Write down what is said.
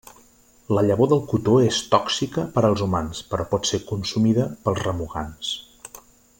La llavor del cotó és tòxica per als humans, però pot ser consumida pels remugants.